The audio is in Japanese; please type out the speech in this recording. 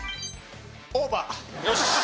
オーバー。